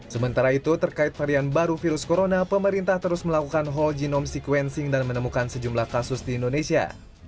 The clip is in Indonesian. sementara itu terkait varian baru virus corona pemerintah terus melakukan whole genome sequencing dan menemukan sejumlah kasus di indonesia